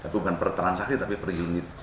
bukan per transaksi tapi per unit